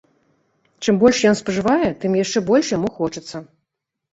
Чым больш ён спажывае, тым яшчэ больш яму хочацца.